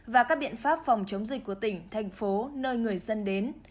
và các biện pháp phòng chống dịch của tỉnh thành phố nơi người dân đến